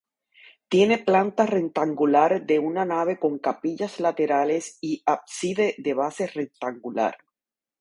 Tiene planta rectangular de una nave con capillas laterales y ábside de base rectangular.